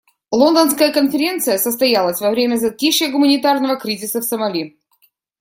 Лондонская конференция состоялась во время затишья гуманитарного кризиса в Сомали.